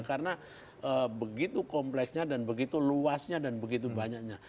karena begitu kompleksnya dan begitu luasnya dan begitu banyaknya